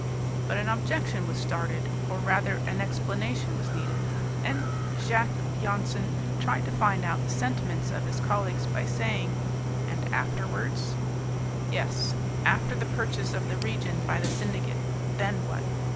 But an objection was started, or rather an explanation was needed, and Jacques Jansen tried to find out the sentiments of his colleagues by saying, "and afterwards," yes, after the purchase of the region by the syndicate, then what?